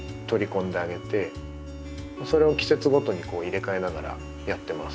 それを季節ごとに入れ替えながらやってます。